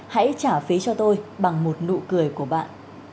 hãy trả phí cho tôi bằng một nụ cười của bạn